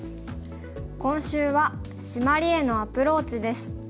今週は「シマリへのアプローチ」です。